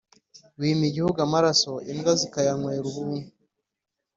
Wima igihugu amaraso, imbwa zikayanwera ubuntu.